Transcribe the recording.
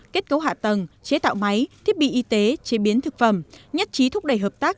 kết cấu hạ tầng chế tạo máy thiết bị y tế chế biến thực phẩm nhất trí thúc đẩy hợp tác